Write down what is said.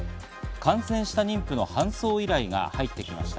感染した妊婦の搬送依頼が入ってきました。